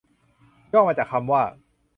ย่อมาจากคำว่า